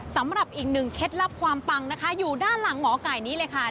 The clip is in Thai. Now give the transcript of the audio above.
สำหรับอีกหนึ่งเคล็ดลับความปังนะคะอยู่ด้านหลังหมอไก่นี้เลยค่ะ